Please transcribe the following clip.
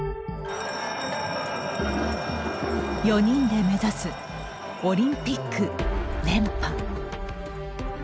４人で目指すオリンピック連覇。